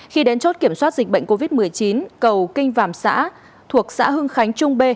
khi đến chốt kiểm soát dịch bệnh covid một mươi chín cầu kinh vàm xã thuộc xã hưng khánh trung b